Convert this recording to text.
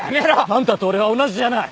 あんたと俺は同じじゃない！